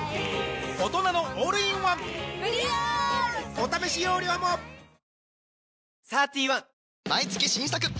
お試し容量もあ！